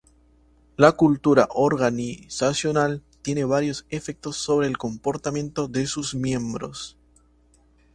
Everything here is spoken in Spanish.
La cultura organizacional tiene varios efectos sobre el comportamiento de sus miembros.